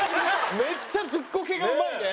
めっちゃズッコケがうまいね！